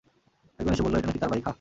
একজন এসে বলল এটা নাকি তার বাইক, হাহ?